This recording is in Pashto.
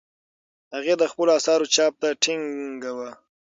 هغې د خپلو اثارو چاپ ته ټینګه وه.